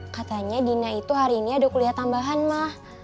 katanya dina itu hari ini ada kuliah tambahan mah